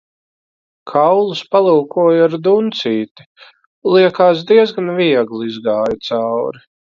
Kaulus palūkoju ar duncīti, liekās diezgan viegli izgāja cauri.